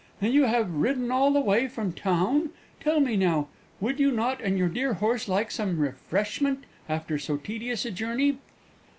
"And you have ridden all the way from town? Tell me now, would not you and your dear horse like some refreshment after so tedious a journey?"